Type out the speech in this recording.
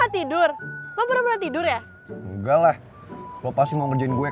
tapi tetep aja dia ngacangin gue